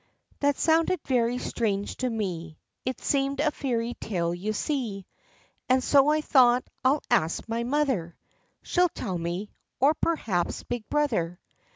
That sounded very strange to me, It seemed a fairy tale, you see, And so I thought, "I 'll ask my mother; She 'll tell me — or perhaps big brother."